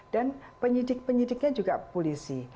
dan penyidik penyidiknya juga polisi